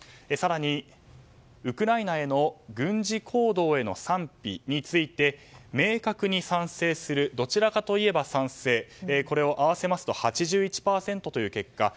更に、ウクライナへの軍事行動の賛否について明確に賛成するどちらかといえば賛成これを合わせますと８１％という結果。